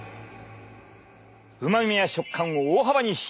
うまみや食感を大幅に引き上げ